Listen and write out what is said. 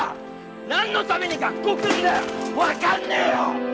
何のために学校来るんだよ分かんねえよ！